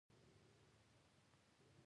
هغه د کور دروازه ټولو ته پرانیستې وه.